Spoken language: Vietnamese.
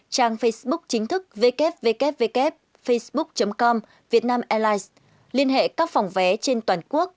trang facebook chính thức www facebook com vietnam airlines liên hệ các phòng vé trên toàn quốc